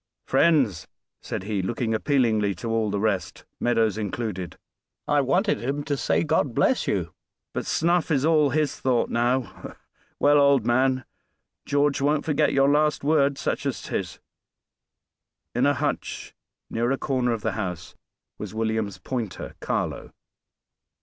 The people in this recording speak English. "Friends," said he, looking appealingly to all the rest, Meadows included, "I wanted him to say God bless you, but snuff is all his thought now. Well, old man, George won't forget your last word, such as 'tis." In a hutch near a corner of the house was William's pointer, Carlo.